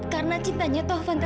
kenapa sih fadil